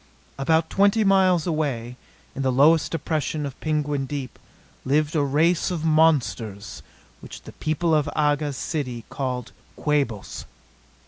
About twenty miles away, in the lowest depression of Penguin Deep, lived a race of monsters which the people of Aga's city called Quabos.